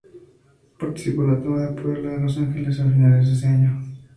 Participó en la toma de Puebla de los Ángeles a finales de ese año.